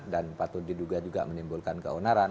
dan patut diduga juga menimbulkan keonaran